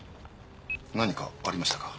何かありましたか？